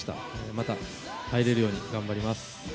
また入れるように頑張ります。